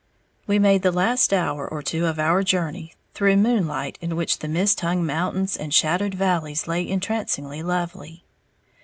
We made the last hour or two of our journey through moonlight in which the mist hung mountains and shadowed valleys lay entrancingly lovely.